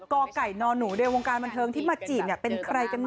กไก่นอนหนูในวงการบันเทิงที่มาจีบเป็นใครกันมา